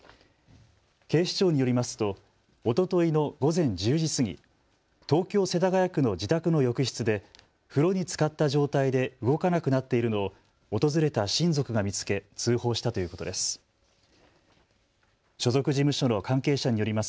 警視庁によりますとおとといの午前１０時過ぎ東京・世田谷区の自宅の浴室で風呂につかった状態で動かなくなっているのを訪れた親族が見つけ通報したということです。